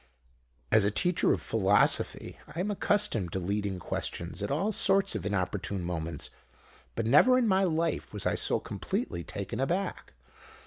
"As a teacher of philosophy I am accustomed to leading questions at all sorts of inopportune moments, but never in my life was I so completely taken aback.